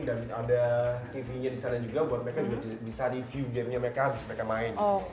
dan ada tv nya di sana juga buat mereka juga bisa review game nya mereka habis mereka main